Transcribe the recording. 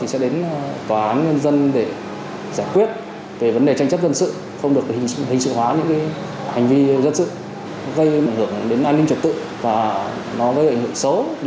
sẽ đến tòa án nhân dân để giải quyết về vấn đề tranh chấp dân sự không được hình sự hóa những hành vi dân sự gây ảnh hưởng đến an ninh trực tự và nó gây ảnh hưởng xấu đến dư luận xã hội